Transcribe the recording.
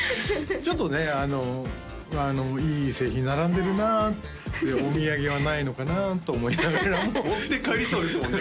ちょっとねあのいい製品並んでるなお土産はないのかなと思いながら持って帰りそうですもんね